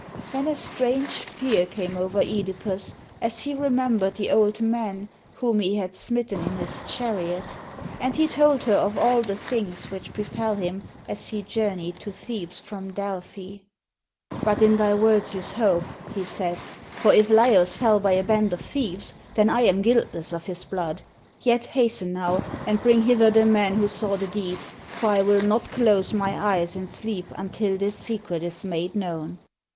Then a strange fear came over (Edipus, as he remembered the old man whom he had smitten in his chariot, and he told her of all the things which befell him as he journeyed to Thebes from Delphi. "But in thy words is hope," he said; "for if Laios fell by a band of thieves, then am I guiltless of his blood. Yet hasten now, and bring hither the man who saw the deed, for I will not close my eyes in sleep until this secret is made known."